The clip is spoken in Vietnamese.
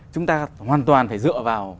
chúng ta hoàn toàn phải dựa vào